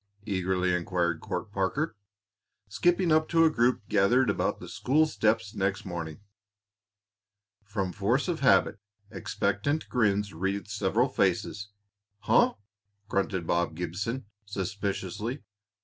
eagerly inquired Court Parker, skipping up to a group gathered about the school steps next morning. From force of habit, expectant grins wreathed several faces. "Huh!" grunted Bob Gibson, suspiciously.